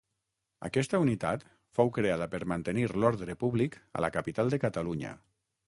Aquesta unitat fou creada per mantenir l'ordre públic a la Capital de Catalunya.